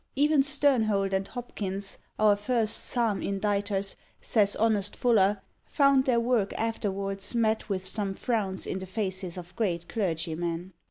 Even Sternhold and Hopkins, our first psalm inditers, says honest Fuller, "found their work afterwards met with some frowns in the faces of great clergymen."